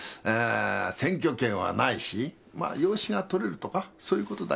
選挙権はないし養子が取れるとかそういうことだけだな。